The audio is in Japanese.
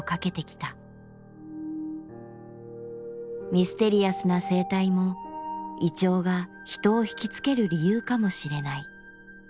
ミステリアスな生態も銀杏が人を引き付ける理由かもしれない。